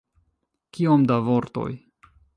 Kiom da vortoj?